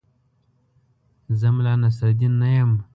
زه ملا نصرالدین نه یم.